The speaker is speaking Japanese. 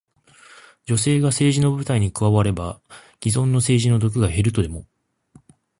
女性が政治の舞台に加われば、既存の政治の毒が減るとでも？